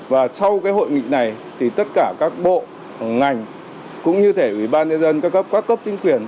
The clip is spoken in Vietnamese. và sau cái hội nghị này thì tất cả các bộ ngành cũng như thể ủy ban nhà dân các cấp chính quyền